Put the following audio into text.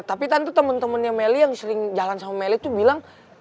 tapi tante temen temennya meli yang sering jalan sama meli tuh bilang